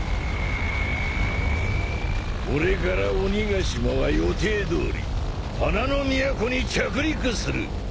これから鬼ヶ島は予定どおり花の都に着陸する。